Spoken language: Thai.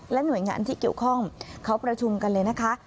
หน่วยงานที่เกี่ยวข้องเขาประชุมกันเลยนะคะ